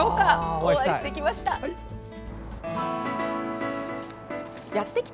お会いしてきました。